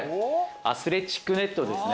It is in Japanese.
アスレチックネットですね。